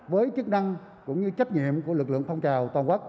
với chức năng cũng như trách nhiệm của lực lượng phong trào toàn quốc